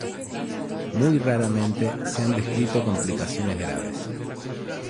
Muy raramente se han descrito complicaciones graves.